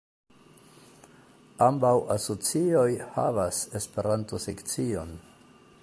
Ambaŭ asocioj havas Esperanto-sekcion.